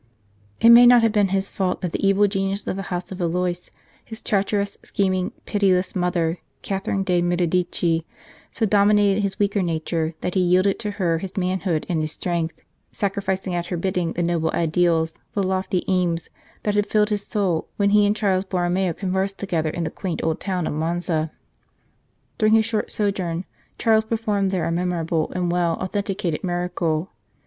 It may not have been his fault that the evil genius of the House of Valois, his treacherous, scheming, pitiless mother, Catherine de Medici, so dominated his weaker nature that he yielded to her his manhood and his strength, sacrificing at her bidding the noble ideals, the lofty aims, that had rilled his soul when he and Charles Borromeo conversed together in the quaint old town of Monza. During his short sojourn Charles performed there a memorable and well authenticated miracle.